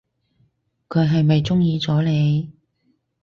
佢係咪中意咗你？